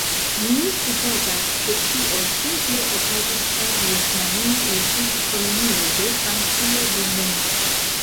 Mi supozas, ke tio simple okazis ĉar Vjetnamio estis kolonio de Francio dumlonge